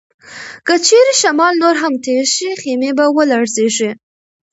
که چیرې شمال نور هم تېز شي، خیمې به ولړزيږي.